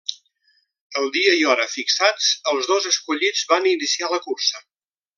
El dia i hora fixats, els dos escollits van iniciar la cursa.